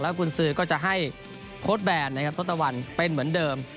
หรือก็จะให้โพสแบรนด์นะครับโทษตะวันเป็นเหมือนเดิม